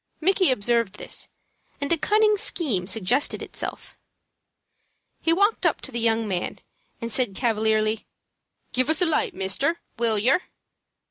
Micky observed this, and a cunning scheme suggested itself. He walked up to the young man, and said, cavalierly, "Give us a light, mister, will yer?"